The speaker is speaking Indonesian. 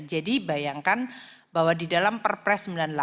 jadi bayangkan bahwa di dalam perpres sembilan puluh delapan